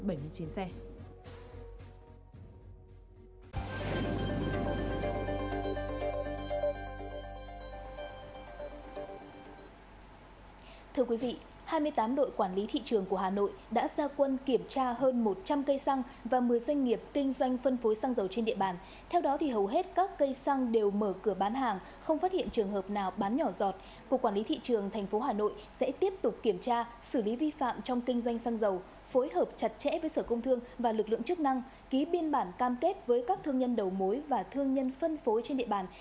em thưa quý vị hai mươi tám đội quản lý thị trường của hà nội đã ra quân kiểm tra hơn một trăm linh cây xăng và một mươi doanh nghiệp kinh doanh phân phối xăng dầu trên địa bàn theo đó thì hầu hết các cây xăng đều mở cửa bán hàng không phát hiện trường hợp nào bán nhỏ giọt của quản lý thị trường thành phố hà nội sẽ tiếp tục kiểm tra xử lý vi phạm trong kinh doanh xăng dầu phối hợp chặt chẽ với sở công thương và lực lượng chức năng ký biên bản cam kết với các thương nhân đầu mối và thương nhân phân phối trên địa bàn